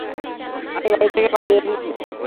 আমি বাড়ি থেকে পালিয়ে এসেছি।